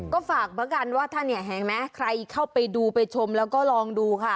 ก็ฝากประกันว่าถ้าใครเข้าไปดูไปชมแล้วก็ลองดูค่ะ